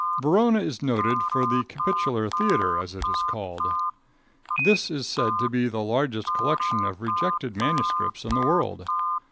Verona is noted for the Capitular library, as it is called. This is said to be the largest collection of rejected manuscripts in the world.